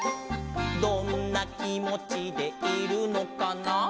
「どんなきもちでいるのかな」